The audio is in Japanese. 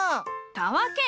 たわけ。